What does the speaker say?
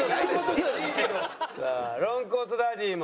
さあロングコートダディも。